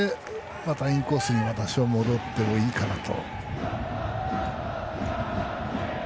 またインコースに戻ってもいいかなと。